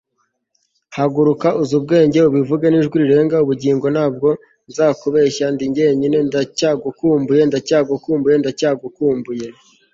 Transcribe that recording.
haguruka, uzi ubwenge, ubivuge n'ijwi rirenga ubugingo, ntabwo nzakubeshya ndi jyenyine ndacyagukumbuye, ndagukumbuye, ndagukumbuye